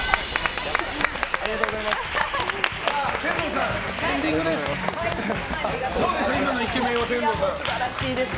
ありがとうございます。